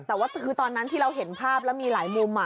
แต่ว่าคือตอนนั้นที่เราเห็นภาพแล้วมีหลายมุม